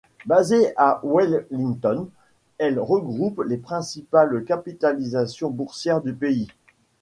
Basée à Wellington, elle regroupe les principales capitalisations boursières du pays.